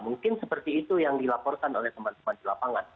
mungkin seperti itu yang dilaporkan oleh teman teman di lapangan